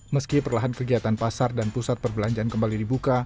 meski perlahan kegiatan pasar dan pusat perbelanjaan kembali dibuka